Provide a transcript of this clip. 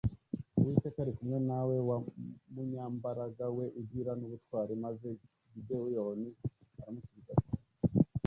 uwiteka ari kumwe nawe wa munyambaraga we ugira n'ubutwari maze gideyoni aramusubiza ati